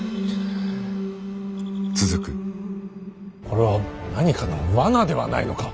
これは何かの罠ではないのか。